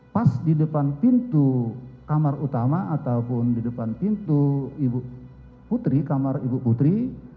pas di depan pintu kamar utama ataupun di depan pintu kamar ibu putri